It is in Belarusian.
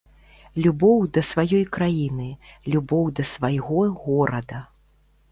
Любоў да сваёй краіны, любоў да свайго горада.